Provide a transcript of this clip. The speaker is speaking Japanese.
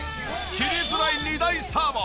切りづらい２大スターもスパッ！